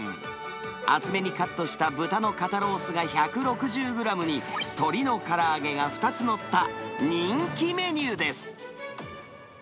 厚めにカットした豚の肩ロースが１６０グラムに、鶏のから揚げが２つ載った人気メニューです。